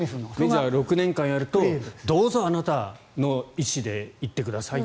メジャー６年間やるとどうぞ、あなたの意思で行ってくださいと。